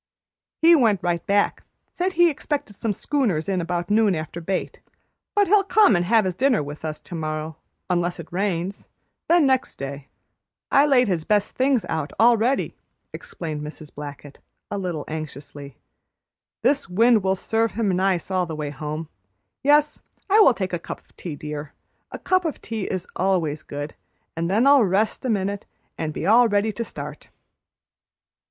"He went right back; said he expected some schooners in about noon after bait, but he'll come an' have his dinner with us tomorrow, unless it rains; then next day. I laid his best things out all ready," explained Mrs. Blackett, a little anxiously. "This wind will serve him nice all the way home. Yes, I will take a cup of tea, dear, a cup of tea is always good; and then I'll rest a minute and be all ready to start."